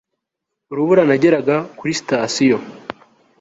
Urubura nageraga kuri sitasiyo